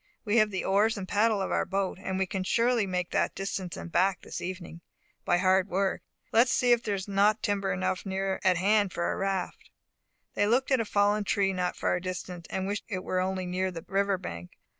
We have the oars and paddle of our boat, and we can surely make that distance and back this evening, by hard work. Let us see if there is not timber enough near at hand for a raft." They looked at a fallen tree not far distant, and wished it were only near the river bank.